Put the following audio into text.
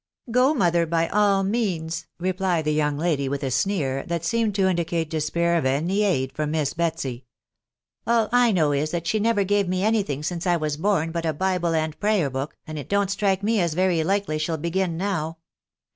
" Go, mother, by all means," replied the young lady with a sneer, that seemed to indicate despair of any aid from Mias Betsy. " All I know is, that she never gave me any thing since I was born but a Bible and Prayer book, and it don't strike me as very likely she'll begin now.